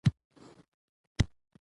ماشومانو چي تلکه ایښودله